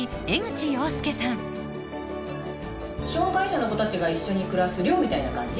障がい者の子たちが一緒に暮らす寮みたいな感じ？